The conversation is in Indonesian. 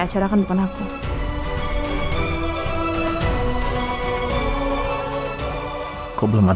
bos kalian bikinin susunya sekarang